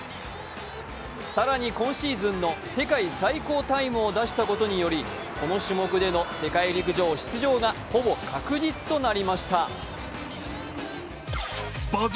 更に今シーズンの世界最高タイムを出したことにより、この種目での世界陸上出場がほぼ確実となりました。